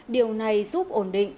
điều này giúp ổn định